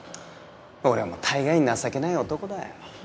俺もたいがい情けない男だよ。